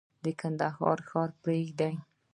د کندهار ښار پرېښود.